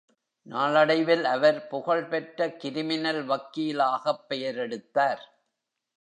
நாளடைவில் அவர் புகழ் பெற்ற கிரிமினல் வக்கீலாகப் பெயரெடுத்தார்.